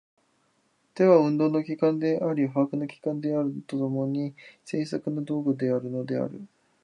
手は運動の機関であり把握の機関であると共に、製作の道具であるのである。